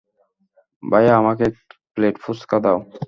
ভাইয়া আমাকে এক প্লেট ফুসকা দাও।